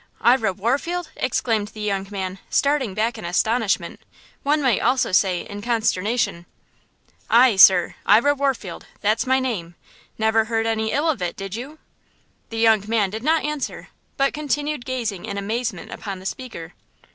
"Ira Warfield!" exclaimed the young man, starting back in astonishment–one might almost say in consternation. "Ay, sir; Ira Warfield! That's my name. Never heard any ill of it, did you?" The young man did not answer, but continued gazing in amazement upon the speaker.